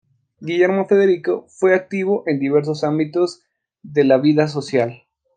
Guillermo Federico fue activo en diversos ámbitos de la vida social.